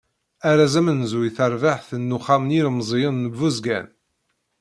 Arraz amenzu i terbaɛt n uxxam n yilemẓiyen n Buzgan.